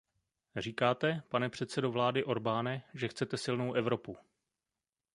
Říkáte, pane předsedo vlády Orbáne, že chcete silnou Evropu.